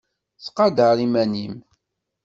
Ttqadar iman-im!